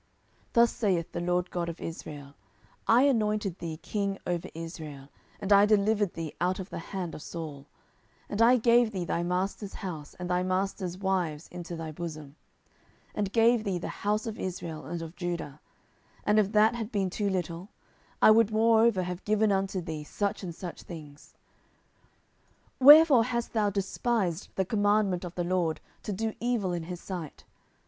Thus saith the LORD God of Israel, I anointed thee king over Israel, and I delivered thee out of the hand of Saul; 10:012:008 And I gave thee thy master's house, and thy master's wives into thy bosom, and gave thee the house of Israel and of Judah; and if that had been too little, I would moreover have given unto thee such and such things. 10:012:009 Wherefore hast thou despised the commandment of the LORD, to do evil in his sight?